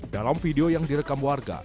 dalam video yang direkam warga